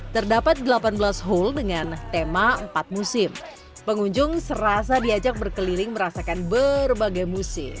terdapat delapan belas hole dengan tema empat musim pengunjung serasa diajak berkeliling merasakan berbagai musim